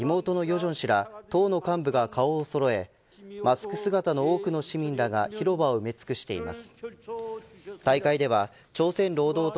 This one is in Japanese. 正氏ら党の幹部が顔をそろえマスク姿の多くの市民らが広場を埋め尽くしています。